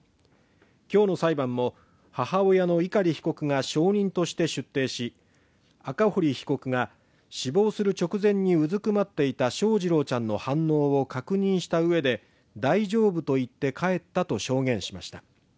今日の裁判も母親の碇被告が証人として出廷し赤堀被告が死亡する直前にうずくまっていた翔士郎ちゃんの反応を確認した上で大丈夫と言って帰ったと証言しました